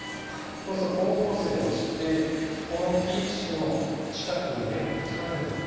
そうすると光合成をしてこの切り口の近くに芽がたくさん出てくるんです。